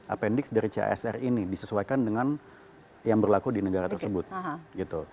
apendix dari casr ini disesuaikan dengan yang berlaku di negara tersebut